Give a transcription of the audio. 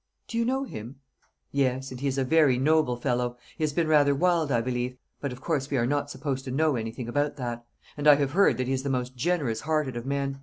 "Do you know him?" "Yes, and he is a very noble fellow. He has been rather wild, I believe; but of course we are not supposed to know anything about that; and I have heard that he is the most generous hearted of men.